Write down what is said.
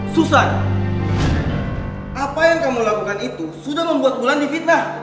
susan apa yang kamu lakukan itu sudah membuat wulan di fitnah